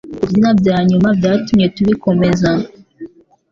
kubyina byanyuma byatumye tubi komeza